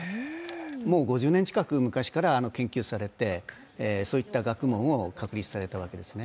もう５０年近く昔から研究されてそういった学問を確立されたわけです。